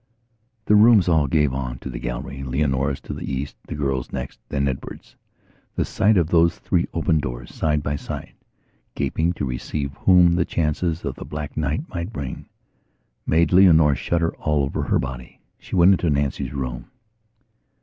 Their rooms all gave on to the gallery; Leonora's to the east, the girl's next, then Edward's. The sight of those three open doors, side by side, gaping to receive whom the chances of the black night might bring, made Leonora shudder all over her body. She went into Nancy's room.